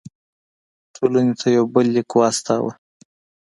ټولنې ته یو بل لیک واستاوه.